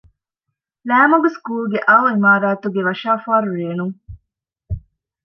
ޅައިމަގު ސްކޫލްގެ އައު އިމާރާތުގެ ވަށާފާރު ރޭނުން